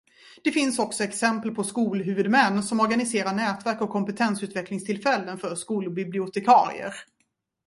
Det finns också exempel på skolhuvudmän som organiserar nätverk och kompetensutvecklingstillfällen för skolbibliotekarier.